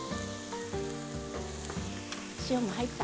塩も入った？